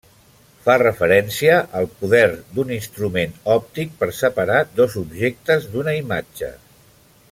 Fa referència al poder d'un instrument òptic per separar dos objectes d'una imatge.